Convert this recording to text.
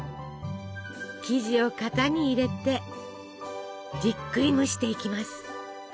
生地を型に入れてじっくり蒸していきます。